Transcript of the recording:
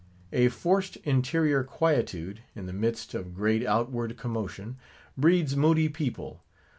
A forced, interior quietude, in the midst of great out ward commotion, breeds moody people.